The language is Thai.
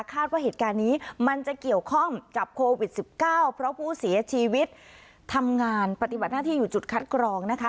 ว่าเหตุการณ์นี้มันจะเกี่ยวข้องกับโควิด๑๙เพราะผู้เสียชีวิตทำงานปฏิบัติหน้าที่อยู่จุดคัดกรองนะคะ